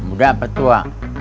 udah apa tua